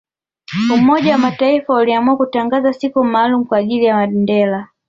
Umoja wa mataifa uliamua kutangaza siku maalumu Kwa ajili ya Mandela